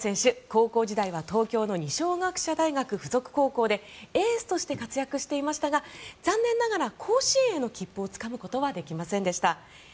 高校時代は東京の二松学舎大学附属高校でエースとして活躍していましたが残念ながら甲子園の切符をつかむことはできませんでした。